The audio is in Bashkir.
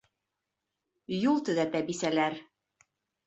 Юл төҙәтә бисәләр.